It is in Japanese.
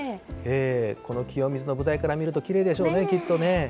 この清水の舞台から見るときれいでしょうね、きっとね。